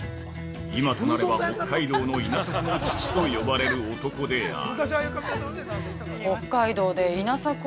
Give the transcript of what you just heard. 今となれば、北海道の稲作の父と呼ばれる男である。